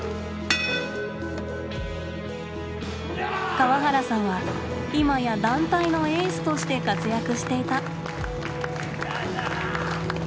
河原さんは今や団体のエースとして活躍していた。